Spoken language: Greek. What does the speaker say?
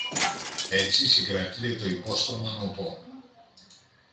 Έτσι, συγκρατείται το υπόστρωμα νωπό.